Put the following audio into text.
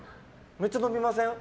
めっちゃ伸びません？